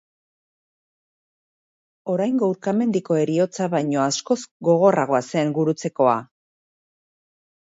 Oraingo urkamendiko heriotza baino askoz gogorragoa zen gurutzekoa.